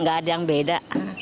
gak ada yang beda